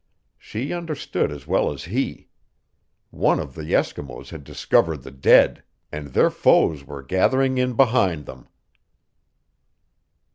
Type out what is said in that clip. She understood as well as he. One of the Eskimos had discovered the dead and their foes were gathering in behind them.